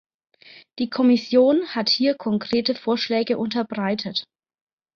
Die Kommission hat hier konkrete Vorschläge unterbreitet.